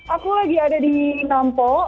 aku lagi ada di nampo